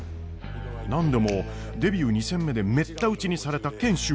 何でもデビュー２戦目でめった打ちにされた賢秀は。